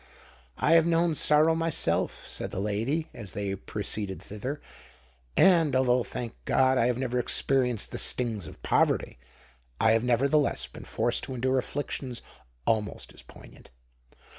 "I have known sorrow myself," said the lady, as they proceeded thither; "and, although, thank God! I have never experienced the stings of poverty, I have nevertheless been forced to endure afflictions almost as poignant."